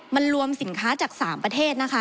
มันรวมสินค้าจาก๓ประเทศนะคะ